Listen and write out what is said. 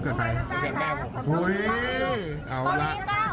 เดือนนี้ด้วยนะ